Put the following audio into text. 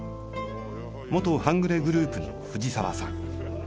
元半グレグループの藤沢さん。